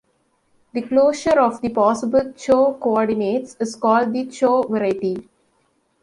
The closure of the possible Chow coordinates is called the Chow variety.